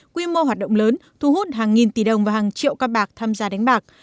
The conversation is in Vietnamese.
quy mô hoạt động lớn thu hút hàng nghìn tỷ đồng và hàng triệu con bạc tham gia đánh bạc